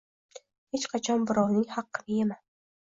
– Hech qachon birovning xaqqini yema!